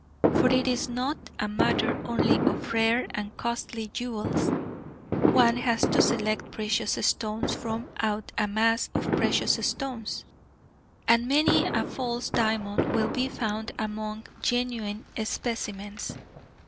For it is not a matter only of rare and costly jewels, one has to select precious stones from out a mass of precious stones, and many a false diamond will be found among genuine specimens.